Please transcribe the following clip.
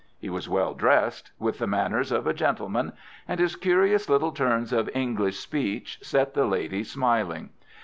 He was well dressed, with the manners of a gentleman, and his curious little turns of English speech set the ladies smiling.